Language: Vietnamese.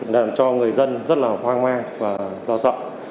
làm cho người dân rất là hoang mang và lo sợ